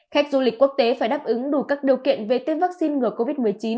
khách du lịch quốc tế phải đáp ứng đủ các điều kiện về tiêm vaccine ngừa covid một mươi chín